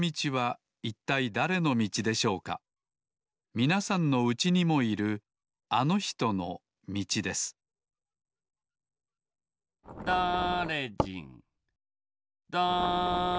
みなさんのうちにもいるあのひとのみちですだれじんだれじん